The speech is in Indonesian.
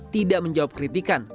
tidak menjawab kritikan